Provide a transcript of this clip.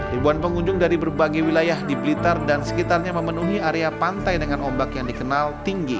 ribuan pengunjung dari berbagai wilayah di blitar dan sekitarnya memenuhi area pantai dengan ombak yang dikenal tinggi